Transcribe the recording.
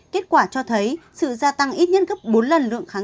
kết quả cho thấy sự gia tăng ít nhất gấp bốn lần lượng khả năng